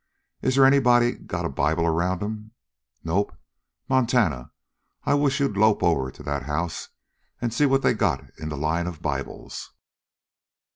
Is there anybody got a Bible around 'em? Nope? Montana, I wished you'd lope over to that house and see what they got in the line of Bibles."